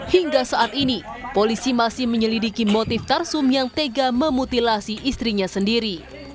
hingga saat ini polisi masih menyelidiki motif tarsum yang tega memutilasi istrinya sendiri